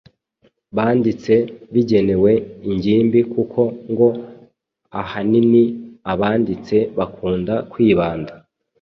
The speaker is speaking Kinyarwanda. banditse bigenewe ingimbi kuko ngo ahanini abanditsi bakunda kwibanda